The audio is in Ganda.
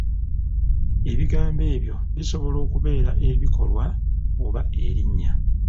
Ebigambo ebyo bisobola okubeera ekikolwa oba erinnya.